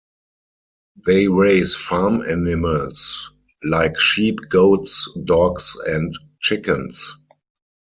They raise farm animals, like sheep, goats, dogs, and chickens.